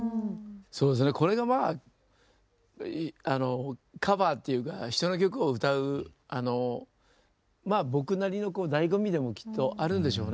そうですねこれがまあカバーっていうか人の曲を歌うあのまあ僕なりのだいご味でもきっとあるんでしょうね。